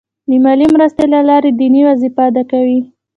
د مالي مرستې له لارې دیني وظیفه ادا کوي.